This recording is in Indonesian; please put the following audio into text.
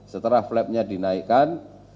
setelah flap nya dinaikkan